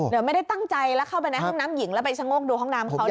เดี๋ยวไม่ได้ตั้งใจแล้วเข้าไปในห้องน้ำหญิงแล้วไปชะโงกดูห้องน้ำเขา